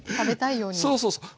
そうそうそう。